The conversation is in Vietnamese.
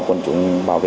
quân chủ bảo vệ